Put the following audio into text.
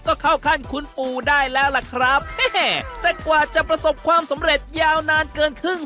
ก็เข้าขั้นคุณปู่ได้แล้วล่ะครับแต่กว่าจะประสบความสำเร็จยาวนานเกินครึ่ง